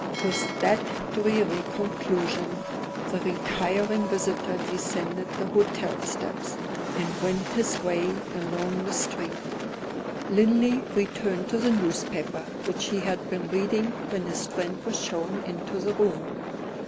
With that dreary conclusion the retiring visitor descended the hotel steps, and went his way along the street. Linley returned to the newspaper which he had been reading when his friend was shown into the room.